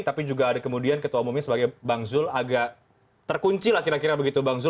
tapi juga ada kemudian ketua umumnya sebagai bang zul agak terkunci lah kira kira begitu bang zul